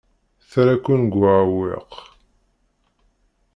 Terra-ken deg uɛewwiq.